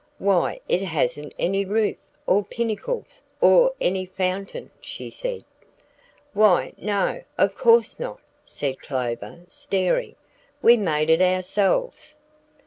"Why it hasn't any roof, or pinnacles, or any fountain!" she said. "Why no, of course not," said Clover, staring, "we made it ourselves."